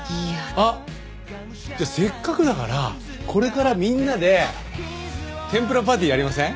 あっじゃあせっかくだからこれからみんなで天ぷらパーティーやりません？